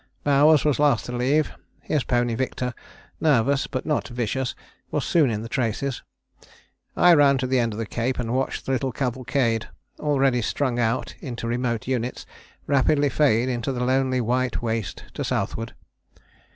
"Bowers was last to leave. His pony, Victor, nervous but not vicious, was soon in the traces. I ran to the end of the Cape and watched the little cavalcade already strung out into remote units rapidly fade into the lonely white waste to southward.